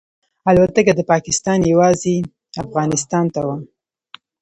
الوتکه د پاکستان یوازې افغانستان ته وه.